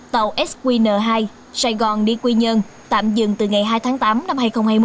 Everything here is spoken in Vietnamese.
tàu sqn hai sài gòn đi quy nhơn tạm dừng từ ngày hai tháng tám năm hai nghìn hai mươi